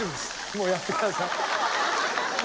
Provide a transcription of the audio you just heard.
もうやってください。